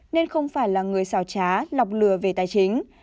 nên không phải là người xào trá lọc lừa về tài chính